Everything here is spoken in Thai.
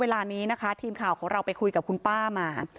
เวลานี้นะคะทีมข่าวของเราไปคุยกับคุณป้ามา